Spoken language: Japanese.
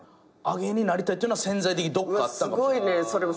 芸人になりたいっていうのは潜在的にどっかあったかも始まり。